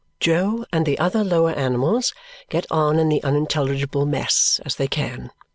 Jo and the other lower animals get on in the unintelligible mess as they can.